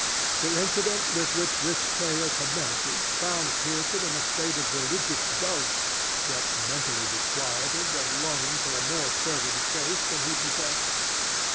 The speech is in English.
The incident with which this tale commences found Pearson in a state of religious dulness, yet mentally disquieted and longing for a more fervid faith than he possessed.